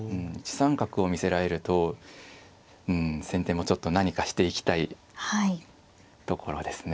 三角を見せられるとうん先手もちょっと何かしていきたいところですね。